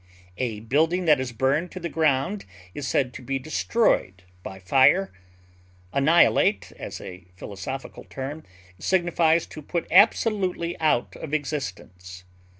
A building that is burned to the ground is said to be destroyed by fire. Annihilate, as a philosophical term, signifies to put absolutely out of existence.